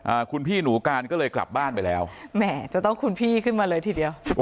อ่าคุณพี่หนูการก็เลยกลับบ้านไปแล้วแหมจะต้องคุณพี่ขึ้นมาเลยทีเดียว